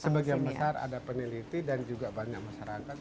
sebagian besar ada peneliti dan juga banyak masyarakat